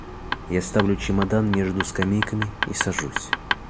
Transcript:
Я ставлю чемодан между скамейками и сажусь.